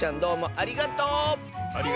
ありがとう！